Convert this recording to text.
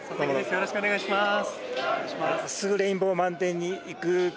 よろしくお願いします。